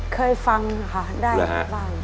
เคยฟังค่ะได้บ้าง